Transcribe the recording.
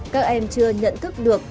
các em chưa nhận thức được